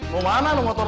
mau mana lo mau turun